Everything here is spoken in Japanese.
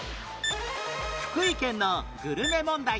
福井県のグルメ問題